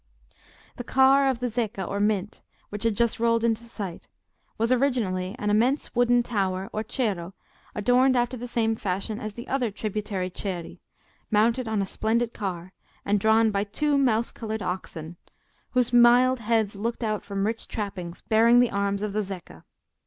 The car of the Zecca or Mint, which had just rolled into sight, was originally an immense wooden tower or cero adorned after the same fashion as the other tributary ceri, mounted on a splendid car, and drawn by two mouse coloured oxen, whose mild heads looked out from rich trappings bearing the arms of the Zecca.